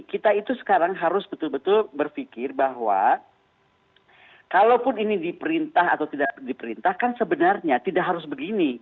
kita itu sekarang harus betul betul berpikir bahwa kalaupun ini diperintah atau tidak diperintahkan sebenarnya tidak harus begini